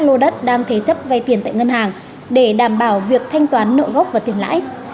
lô đất đang thế chấp vay tiền tại ngân hàng để đảm bảo việc thanh toán nợ gốc và tiền lãi